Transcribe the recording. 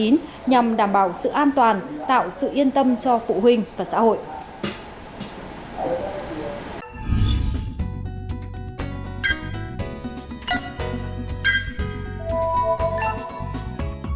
nhằm đảm bảo sự an toàn tạo sự yên tâm cho phụ huynh và xã hội